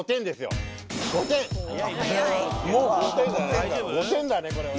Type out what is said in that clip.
５点だねこれはね。